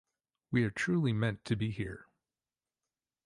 We are truly meant to be here.